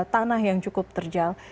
tanah yang cukup terjal